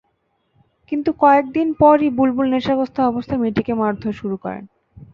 কিন্তু কয়েক দিন পরই বুলবুল নেশাগ্রস্ত অবস্থায় মেয়েটিকে মারধর শুরু করেন।